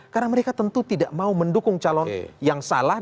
karena mereka tentu tidak mau mendukung calon yang salah